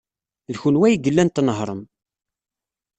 D kenwi ay yellan tnehhṛem.